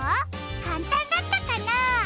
かんたんだったかな？